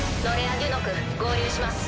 デュノク合流します。